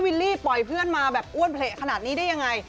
ลี่ปล่อยเพื่อนมาแบบอ้วนเละขนาดนี้ได้ยังไง